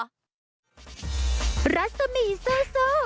สวัสดีครับทุกคน